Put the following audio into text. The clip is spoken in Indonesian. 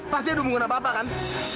pasti ada hubungan apa apa kan